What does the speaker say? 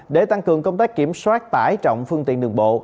để tăng cường công tác kiểm soát tải trọng phương tiện đường bộ